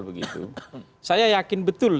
begitu saya yakin betul